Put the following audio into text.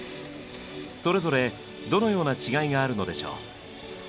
それぞれどのような違いがあるのでしょう。